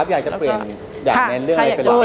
ยากจะเปลี่ยน